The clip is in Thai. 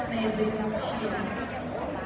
มันเป็นสิ่งที่จะให้ทุกคนรู้สึกว่า